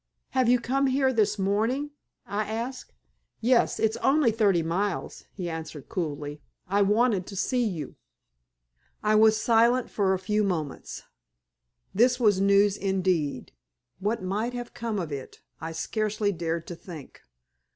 "Have you come here this morning?" I asked. "Yes, it's only thirty miles," he answered, coolly. "I wanted to see you." I was silent for a few moments. This was news indeed. What might come of it I scarcely dared to think.